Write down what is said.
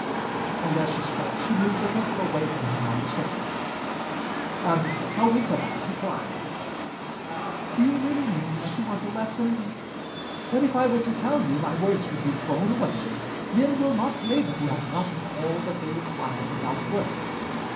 And as she spoke, she moved a little away from him on the sofa. "And how is a man to climb?" "Do you really mean that you want a lesson? But if I were to tell you, my words would be thrown away. Men will not labour who have gotten all that they require without work.